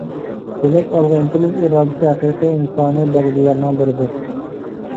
دېمەك، ئالغا ئىنتىلىش ئىرادىسى ھەقىقىي ئىنسانىي بەلگىلەرنىڭ بىرىدۇر.